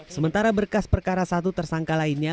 sementara berkas perkara satu tersangka lainnya